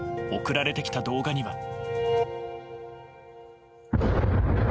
送られてきた動画には。